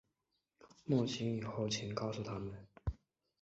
梦醒以后请告诉他们